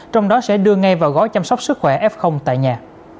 trong đó sẽ đưa ngay vào gói chăm sóc sức khỏe f tại nhà